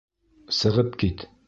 Сығып кит!